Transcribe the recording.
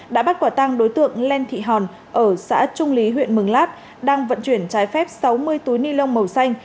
đã bắt quả tăng đối tượng len thị hòn ở xã trung lý huyện mường lát đang vận chuyển trái phép sáu mươi túi ni lông màu xanh